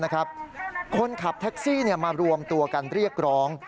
คนขับแท็กซี่มารวมตัวกันเรียกร้อง